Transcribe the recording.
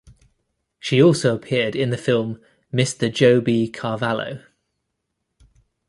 She also appeared in the film "Mr Joe B. Carvalho".